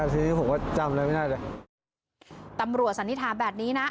ทีนี้ผมก็จำอะไรไม่ได้เลยตำรวจสันนิษฐานแบบนี้นะ